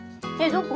どこ？